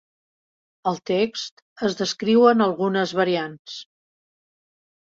Al text es descriuen algunes variants.